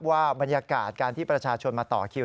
ว่าบรรยากาศการที่ประชาชนมาต่อคิว